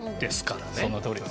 そのとおりです。